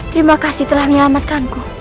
terima kasih telah menyelamatkan ku